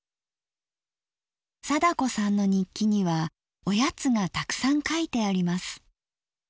貞子さんの日記にはおやつがたくさん書いてあります。